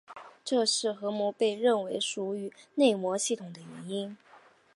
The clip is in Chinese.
这是核膜被认为属于内膜系统的原因。